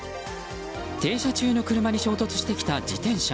停車中の車に衝突してきた自転車。